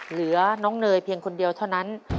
เหลือน้องเนยเพียงคนเดียวเท่านั้น